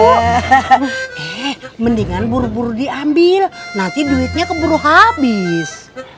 hehehe mendingan buru buru diambil nanti duitnya keburu habis